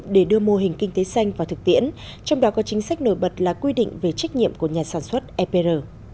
để đưa mô hình kinh tế xanh vào thực tiễn trong đó có chính sách nổi bật là quy định về trách nhiệm của nhà sản xuất epr